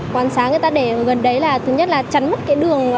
quan sát người ta để gần đấy là thứ nhất là chắn mất cái đường